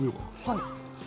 はい。